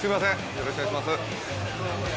よろしくお願いします。